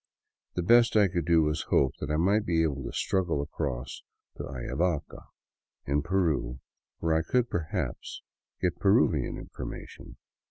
The best I could do was to hope I might be able to struggle across to Ayavaca, in Peru, where I could perhaps get Peruvian information.